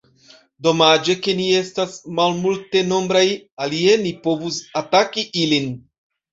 Domaĝe, ke ni estas malmultenombraj, alie ni povus ataki ilin!